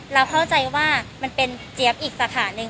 เราเข้าใจว่ามันเป็นเจี๊ยบอีกสาขาหนึ่ง